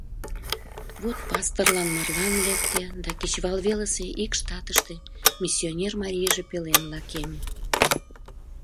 Вот, пасторлан марлан лекте да кечывалвелысе ик штатыште миссионер марийже пелен лакеме.